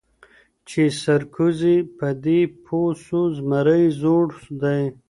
چي سرکوزی په دې پوه سو زمری زوړ دی